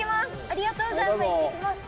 ありがとうございます。